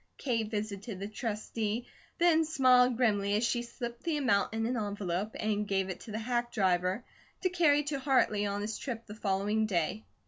Kate visited the Trustee, and smiled grimly as she slipped the amount in an envelope and gave it to the hack driver to carry to Hartley on his trip the following day.